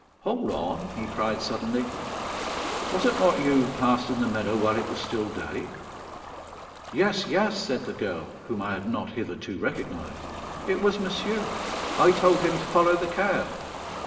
"Hold on," he cried suddenly. "Was it not you who passed in the meadow while it was still day?" "Yes, yes," said the girl, whom I had not hitherto recognized; "it was monsieur; I told him to follow the cow."